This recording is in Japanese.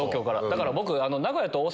だから僕。